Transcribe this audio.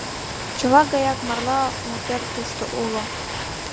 Чыла гаяк марла мутер тушто уло.